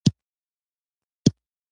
• لور د عزت یوه نښه ده.